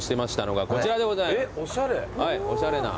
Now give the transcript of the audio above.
はいおしゃれな。